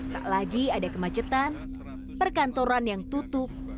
tak lagi ada kemacetan perkantoran yang tutup